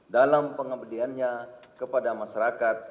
dalam pengembediannya kepada masyarakat